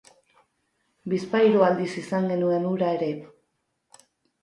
Bizpahiru aldiz izan genuen hura ere.